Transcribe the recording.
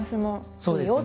そうですね。